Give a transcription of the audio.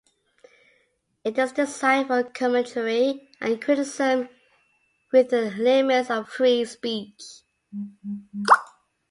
It is designed for commentary and criticism within the limits of Free Speech.